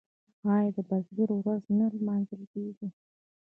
آیا د بزګر ورځ نه لمانځل کیږي؟